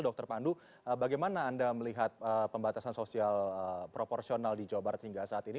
dr pandu bagaimana anda melihat pembatasan sosial proporsional di jawa barat hingga saat ini